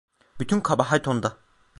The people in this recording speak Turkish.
Bütün kabahat onda.